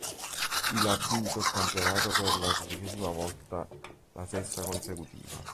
Il ha vinto il campionato per la tredicesima volta, la sesta consecutiva.